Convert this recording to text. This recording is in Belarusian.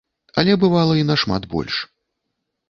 Але бывала і нашмат больш.